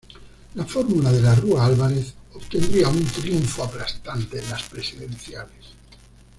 La fórmula De la Rúa-Álvarez obtendría un triunfo aplastante en las presidenciales.